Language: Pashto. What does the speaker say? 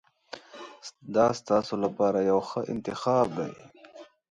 دا ستاسو لپاره یو ښه انتخاب دی.